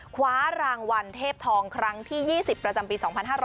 คว้ารางวัลเทพทองครั้งที่๒๐ประจำปี๒๕๕๙